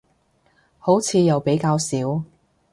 好似又比較少